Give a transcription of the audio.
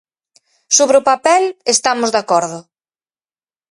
Sobre o papel estamos de acordo.